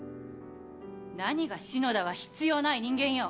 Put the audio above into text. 何が篠田は必要ない人間よ。